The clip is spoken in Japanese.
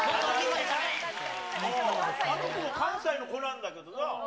あの子も関西の子なんだけどな。